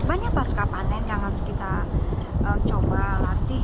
banyak pasca panen yang harus kita coba latih